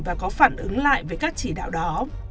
và có phản ứng lại về các chỉ đạo đó